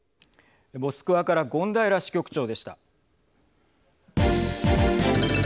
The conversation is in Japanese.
モスクワから権平支局長でした。